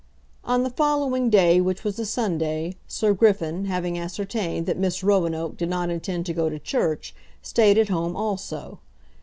On the following day, which was a Sunday, Sir Griffin, having ascertained that Miss Roanoke did not intend to go to church, stayed at home also.